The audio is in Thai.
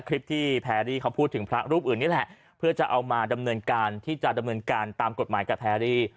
คลิปที่แพรรี่เขาพูดถึงพระรูปอื่นนี่แหละเพื่อจะเอามาดำเนินการที่จะดำเนินการตามกฎหมายกับแพรรี่